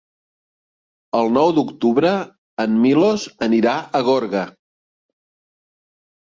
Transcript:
El nou d'octubre en Milos anirà a Gorga.